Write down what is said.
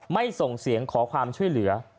ส่งเสียงขอความช่วยเหลือ